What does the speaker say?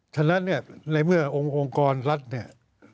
ฉะนั้นเนี่ยในเมื่อองค์องค์กรรัฐเนี่ย